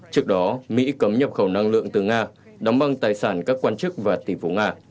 trước đó mỹ cấm nhập khẩu năng lượng từ nga đóng băng tài sản các quan chức và tỷ phú nga